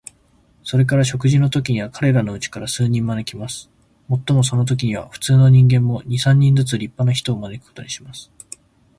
それから食事のときには、彼等のうちから数人招きます。もっともそのときには、普通の人間も、二三人ずつ立派な人を招くことにします。